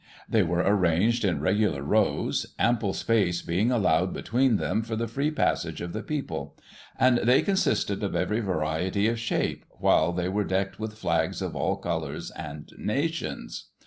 " They were arranged in regular rows, ample space being allowed between them for the free passage of the people; and they consisted of every variety of shape, while they were decked with flags of all colours and nations.